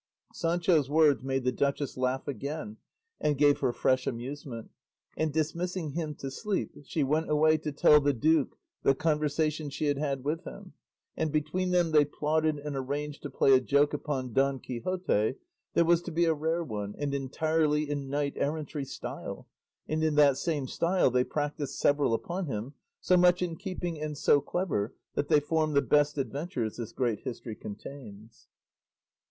Sancho's words made the duchess laugh again and gave her fresh amusement, and dismissing him to sleep she went away to tell the duke the conversation she had had with him, and between them they plotted and arranged to play a joke upon Don Quixote that was to be a rare one and entirely in knight errantry style, and in that same style they practised several upon him, so much in keeping and so clever that they form the best adventures this great history contains.